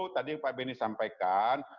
tadi yang pak benny sampaikan